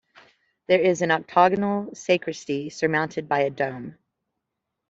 There is an octagonal sacristy, surmounted by a dome.